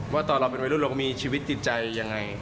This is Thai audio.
ว่าตอนเราเป็นวัยรุ่นเราก็มีชีวิตจิตใจยังไง